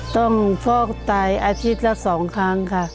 ต้องพ่อตายอาทิตย์ละ๒ครั้งค่ะ